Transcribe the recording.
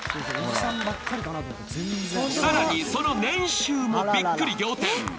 更にその年収もびっくり仰天。